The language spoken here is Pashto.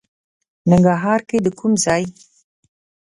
ننګرهار کې د کوم ځای؟